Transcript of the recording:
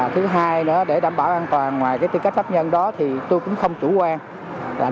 thứ hai để đảm bảo an toàn ngoài tư cách pháp nhân đó tôi cũng không chủ quan